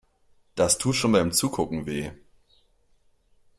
Das tut schon beim Zugucken weh.